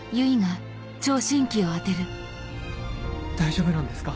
大丈夫なんですか？